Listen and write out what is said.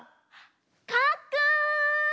かっくん！